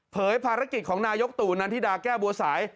ภารกิจของนายกตู่นันทิดาแก้วบัวสาย